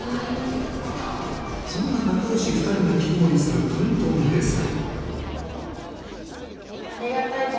そんな仲良し２人が切り盛りする東東ですが。